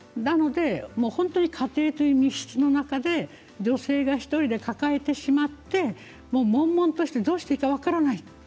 家庭という密室の中に女性が１人で抱えてしまってもんもんとしてどうしていいか分からない。